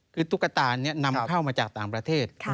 คือตุ๊กตานี้นำเข้ามาจากต่างประเทศ